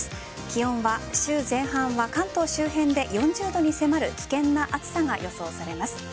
気温は週前半は関東周辺で４０度に迫る危険な暑さが予想されます。